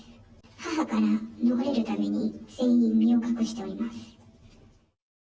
母から逃れるために全員、身を隠しております。